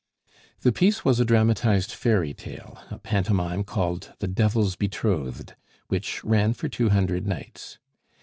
The piece was a dramatized fairy tale, a pantomime called The Devil's Betrothed, which ran for two hundred nights.